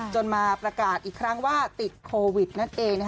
มาประกาศอีกครั้งว่าติดโควิดนั่นเอง